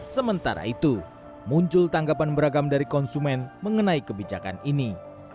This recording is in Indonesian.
sementara itu muncul tanggapan beragam dari konsumen mengenai kebijakan ini